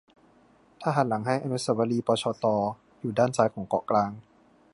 ถ้าหันหลังให้อนุเสาวรีย์ปชต อยู่ด้านซ้ายของเกาะกลาง